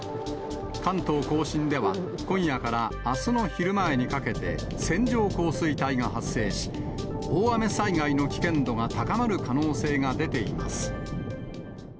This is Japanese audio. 関東甲信では、今夜からあすの昼前にかけて、線状降水帯が発生し、大雨災害の危険度が高まる可能性が出ています。